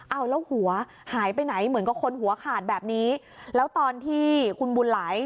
เอาแล้วหัวหายไปไหนเหมือนกับคนหัวขาดแบบนี้แล้วตอนที่คุณบุญไหล